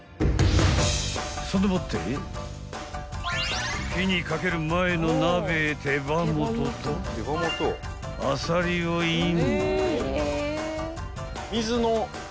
［そんでもって火にかける前の鍋へ手羽元とアサリをイン］